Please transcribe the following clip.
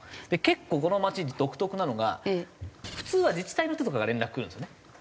で結構この町独特なのが普通は自治体の人とかから連絡くるんですよね。